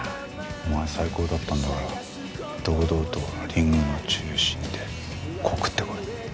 お前最高だったんだから堂々とリングの中心で告ってこい。